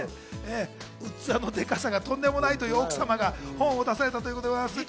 器のデカさがとんでもないという奥様が本を出されたということです。